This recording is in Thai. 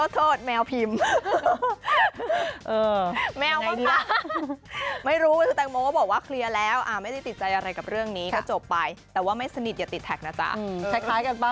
โทษแมวพิมแมวมั้งคะ